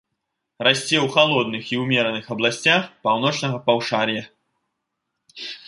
Расце ў халодных і ўмераных абласцях паўночнага паўшар'я.